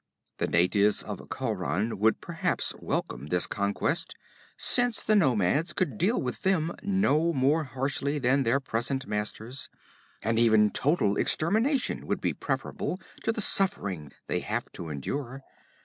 The natives of Khauran would perhaps welcome this conquest, since the nomads could deal with them no more harshly than their present masters, and even total extermination would be preferable to the suffering they have to endure.